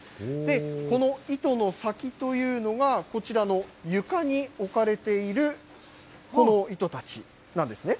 この糸の先というのが、こちらの床に置かれている、この糸たちなんですね。